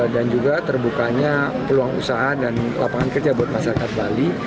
dan juga terbukanya peluang usaha dan lapangan kerja buat masyarakat bali